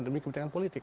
demi kepentingan politik